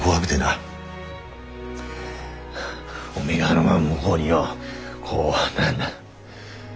おめえがあのまま向ごうによこう。